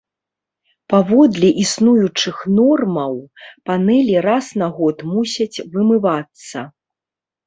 Паводле існуючых нормаў, панэлі раз на год мусяць вымывацца.